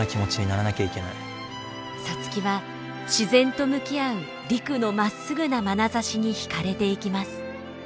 皐月は自然と向き合う陸のまっすぐなまなざしに惹かれていきます。